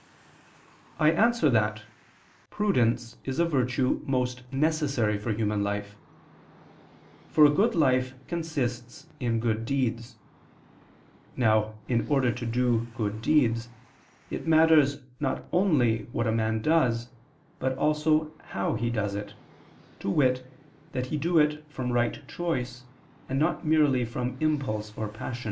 I answer that, Prudence is a virtue most necessary for human life. For a good life consists in good deeds. Now in order to do good deeds, it matters not only what a man does, but also how he does it; to wit, that he do it from right choice and not merely from impulse or passion.